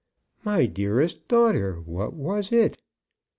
"My dearest daughter, what was it?"